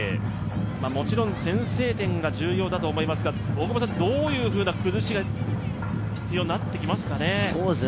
もちろん先制点が重要だと思いますが、どういうふうな崩しが必要になってきますかね？